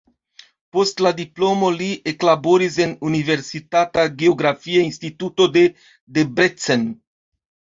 Post la diplomo li eklaboris en universitata geografia instituto de Debrecen.